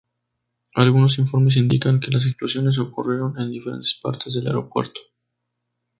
Algunos informes indican que las explosiones ocurrieron en diferentes partes del aeropuerto.